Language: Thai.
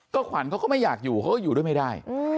ขวัญเขาก็ไม่อยากอยู่เขาก็อยู่ด้วยไม่ได้